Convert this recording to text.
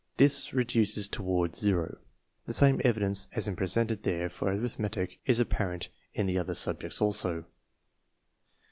This reduces toward zero. The same evidence as is presented there for arithmetic is apparent in the other subjects also.